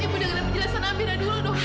ibu dengerin penjelasan amira dulu dong